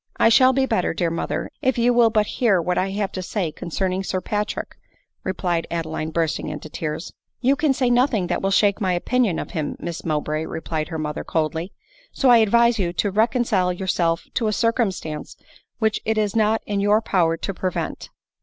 " I shall be better, dear mother, if you will but hear what I have to say concerning Sir Patrick," replied Ade line, bursting into tears. " You can say nothing that 'will shake my opinion of him, Miss Mowbray," replied her mother coldly ;" so I advise you to reconcile yourself to a circumstance which h is not in your power to prevent."